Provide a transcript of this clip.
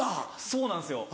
そうなんですよ。